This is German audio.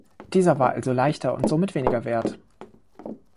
Dieser war also leichter und somit weniger wert.